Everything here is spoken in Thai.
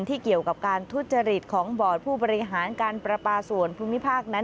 เกี่ยวกับการทุจริตของบอร์ดผู้บริหารการประปาส่วนภูมิภาคนั้น